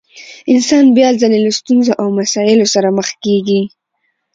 انسان بيا ځلې له ستونزو او مسايلو سره مخ کېږي.